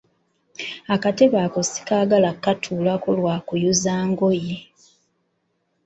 Akatebe ako sikaagala katuulako lwa kuyuza ngoye.